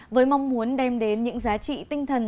với mong muốn đem đến những giá trị tinh thần